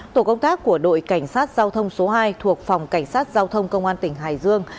tổ công tác của đội cảnh sát giao thông số hai thuộc phòng cảnh sát giao thông công an tỉnh hải dương